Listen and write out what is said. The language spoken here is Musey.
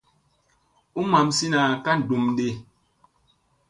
U mamsina ka ndum ɗi.